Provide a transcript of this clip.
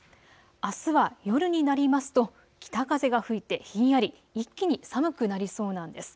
あすは夜になりますと北風が吹いてひんやり、一気に寒くなりそうなんです。